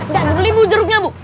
gak beli bu jeruknya bu